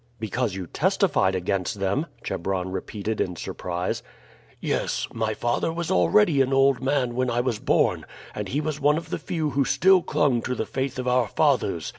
"Because you testified against them?" Chebron repeated in surprise. "Yes. My father was already an old man when I was born, and he was one of the few who still clung to the faith of our fathers.